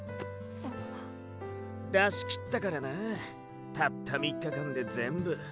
出しきったからなァたった３日間で全部。